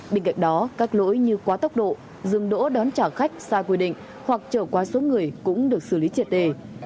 bên cạnh đó các lỗi như quá tốc độ dừng đỗ đón trả khách sai quy định hoặc trở qua số người cũng được xử lý triệt đề